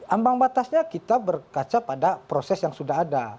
ambang batasnya kita berkaca pada proses yang sudah ada